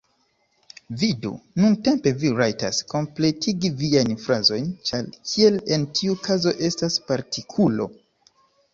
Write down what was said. Vidu, nuntempe vi rajtas kompletigi viajn frazojn, ĉar kiel en tiu kazo estas partikulo.